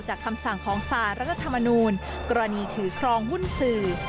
คำสั่งของสารรัฐธรรมนูลกรณีถือครองหุ้นสื่อ